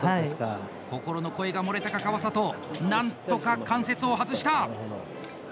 心の声が漏れたか川里なんとか関節を外した。